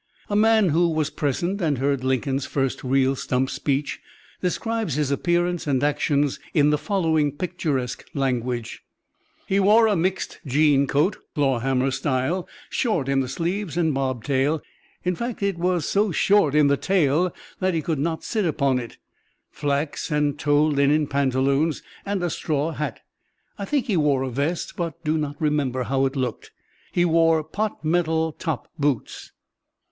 A man who was present and heard Lincoln's first real stump speech describes his appearance and actions in the following picturesque language: "He wore a mixed jean coat, clawhammer style, short in the sleeves and bob tail in fact, it was so short in the tail that he could not sit upon it flax and tow linen pantaloons, and a straw hat. I think he wore a vest, but do not remember how it looked. He wore pot metal (top) boots.